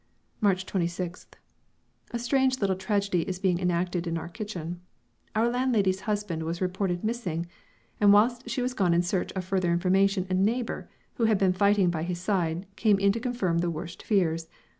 March 26th. A strange little tragedy is being enacted in our kitchen. Our landlady's husband was reported "missing," and whilst she was gone in search of further information a neighbour, who had been fighting by his side, came in to confirm the worst fears.